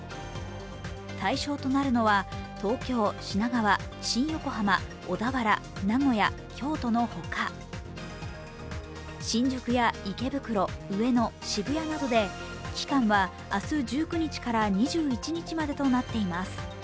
対象となるのは、東京、品川、新横浜、小田原、名古屋、京都のほか、新宿や池袋、上野、渋谷などで期間は明日１９日から２１日までとなっています。